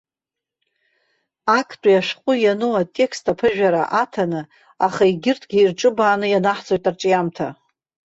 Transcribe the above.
Актәи ашәҟәы иану атекст аԥыжәара аҭаны, аха егьырҭгьы ирҿыбааны ианаҳҵоит арҿиамҭа.